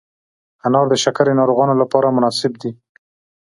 انار د شکر ناروغانو لپاره مناسب دی.